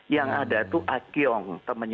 yang ada tuh akyong temennya